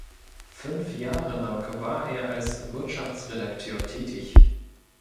Fünf Jahre lang war er als Wirtschaftsredakteur tätig.